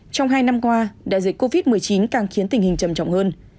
trong hai năm qua đại dịch covid một mươi chín càng khiến tình hình trầm trọng hơn